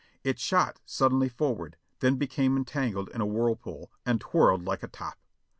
It shot suddenly forward, then became en tangled in a whirlpool and twirled like a top.